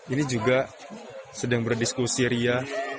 ini juga sedang berdiskusi ria